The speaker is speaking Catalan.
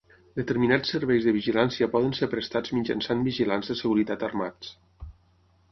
Determinats serveis de vigilància poden ser prestats mitjançant vigilants de seguretat armats.